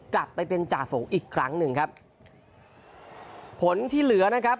กลับไปเป็นจ่าฝูงอีกครั้งหนึ่งครับผลที่เหลือนะครับ